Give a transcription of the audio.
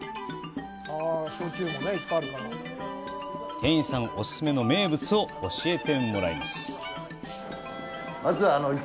店員さんオススメの名物を教えてもらいます。